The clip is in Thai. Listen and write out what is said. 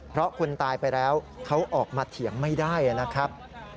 เพราะคนตายไปแล้วเขาออกมาเถียงไม่ได้นะครับ